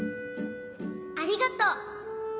ありがとう。